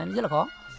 rất là khó